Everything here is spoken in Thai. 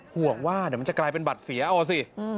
ห่วงว่าเดี๋ยวมันจะกลายเป็นบัตรเสียเอาสิ